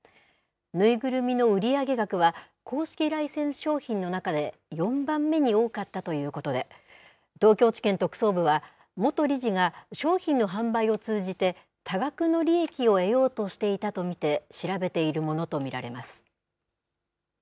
縫いぐるみの売り上げ額は、公式ライセンス商品の中で４番目に多かったということで、東京地検特捜部は、元理事が商品の販売を通じて、多額の利益を得ようとしていたと見て調べているものと見られます。